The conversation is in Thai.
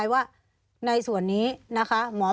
มีความรู้สึกว่ามีความรู้สึกว่า